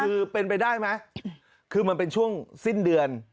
คือเป็นไปได้ไหมคือมันเป็นช่วงสิ้นเดือน